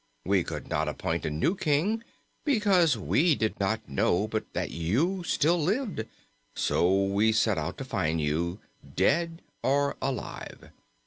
We could not appoint a new King, because we did not know but that you still lived; so we set out to find you, dead or alive.